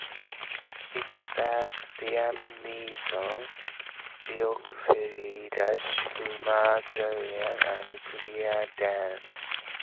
It stars Liam Neeson, Geoffrey Rush, Uma Thurman, and Claire Danes.